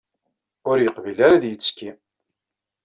Ut yeqbil ara ad yettekki.